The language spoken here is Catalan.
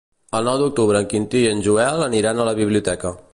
El nou d'octubre en Quintí i en Joel aniran a la biblioteca.